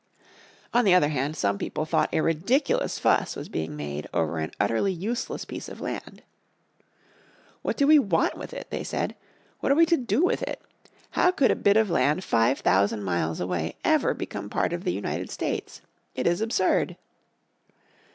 On the other hand some people thought a ridiculous fuss was being made over an utterly useless piece of land. "What do we want with it?" they said. "What are we to do with it? How could a bit of land five thousand miles away ever become part of the United States? It is absurd!"